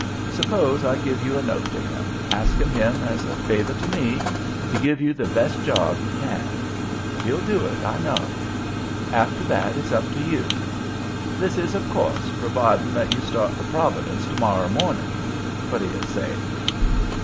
Suppose I give you a note to him, asking him, as a favor to me, to give you the best job he can. He'll do it, I know. After that it's up to you. This is, of course, providing that you start for Providence to morrer morning. What d'you say?"